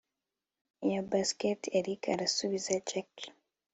cya basket erick arasubiza jack